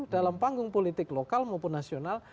dalam panggung politik lokal maupun nasional